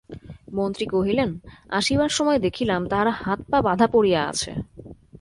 মন্ত্রী কহিলেন, আসিবার সময় দেখিলাম তাহারা হাতপা-বাঁধা পড়িয়া আছে।